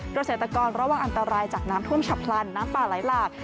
เกษตรกรระวังอันตรายจากน้ำท่วมฉับพลันน้ำป่าไหลหลาก